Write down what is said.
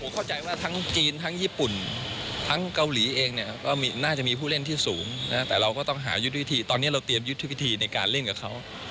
เข้าใจว่าทั้งจีนทั้งญี่ปุ่นทั้งเกาหลีเองเนี่ยก็น่าจะมีผู้เล่นที่สูงนะแต่เราก็ต้องหายุทธวิธีตอนนี้เราเตรียมยุทธวิธีในการเล่นกับเขา